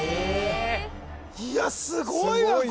いやすごいわ言！